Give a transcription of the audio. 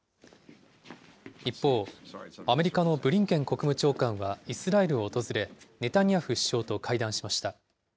一方、アメリカのブリンケン国務長官はイスラエルを訪れ、ネタニヤフ首相と会談しました。